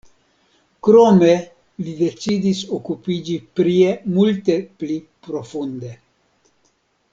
Krome li decidis okupiĝi prie multe pli profunde.